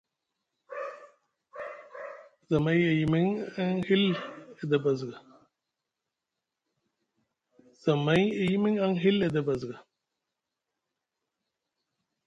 Zamay e yimiŋ aŋ hill edi basga.